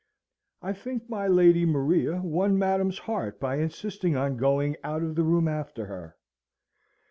I think my Lady Maria won Madam's heart by insisting on going out of the room after her.